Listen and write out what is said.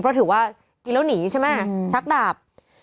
เพราะถือว่ากินแล้วหนีใช่ไหมชักดาบ